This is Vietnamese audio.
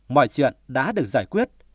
mọi chuyện đã được giải quyết